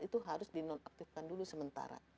itu harus dinonaktifkan dulu sementara